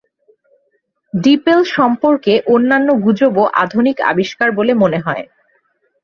ডিপেল সম্পর্কে অন্যান্য গুজবও আধুনিক আবিষ্কার বলে মনে হয়।